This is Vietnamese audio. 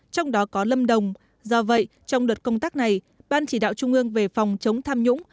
trong đó có lâm đồng do vậy trong đợt công tác này ban chỉ đạo trung ương về phòng chống tham nhũng